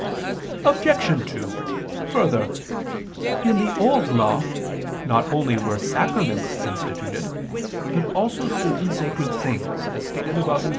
Obj. 2: Further, in the Old Law not only were sacraments instituted, but also certain sacred things, as stated above (Q.